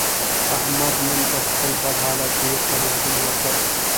احمد نن پر خپل بد حالت ډېر فریادونه وکړل.